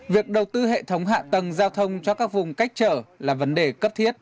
việc đầu tư hệ thống hạ tầng giao thông cho các vùng cách trở là vấn đề cấp thiết